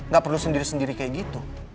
gak perlu sendiri sendiri kayak gitu